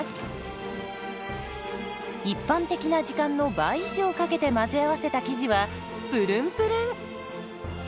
一般的な時間の倍以上かけて混ぜ合わせた生地はプルンプルン。